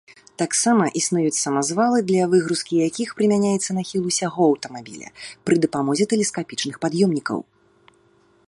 Таксама існуюць самазвалы, для выгрузкі якіх прымяняецца нахіл усяго аўтамабіля пры дапамозе тэлескапічных пад'ёмнікаў.